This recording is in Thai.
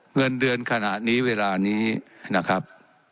เงินเดือนขณะนี้เวลานี้นะครับ